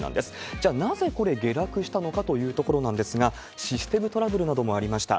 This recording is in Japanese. じゃあ、なぜこれ、下落したのかというところなんですが、システムトラブルなどもありました。